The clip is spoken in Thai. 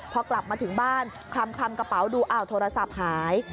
พอกลับมาถึงบ้านคลำกระเป๋าดูอ้าวโทรศัพท์หาย